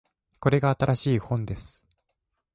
これが新しい本です